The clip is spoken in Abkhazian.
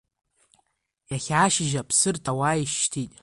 Иахьа ашьыжь Аԥсырҭ ауаа ишьҭит…